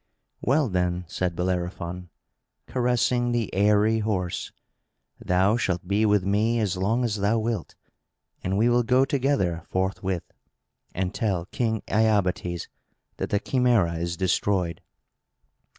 "Well then," said Bellerophon, caressing the airy horse, "thou shalt be with me as long as thou wilt; and we will go together, forthwith, and tell King Iobates that the Chimæra is destroyed."